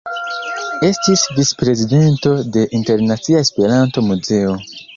Estis vicprezidento de Internacia Esperanto-Muzeo.